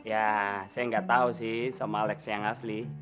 ya saya nggak tahu sih sama lex yang asli